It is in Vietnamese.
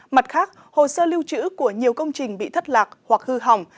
mặt khác hồ sơ lưu trữ của nhiều công trình bị thất lạc hoặc hư hỏng